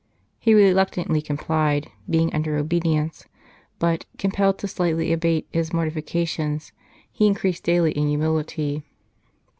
He reluctantly complied, being under obedience; but, compelled to slightly abate his mortifications, he increased daily in humility.